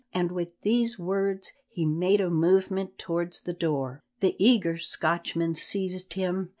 and with these words he made a movement towards the door. The eager Scotchman seized him.